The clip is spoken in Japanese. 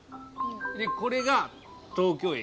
でこれが東京駅。